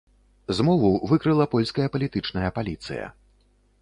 Змову выкрыла польская палітычная паліцыя.